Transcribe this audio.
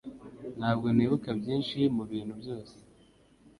Ntabwo nibuka byinshi mubintu byose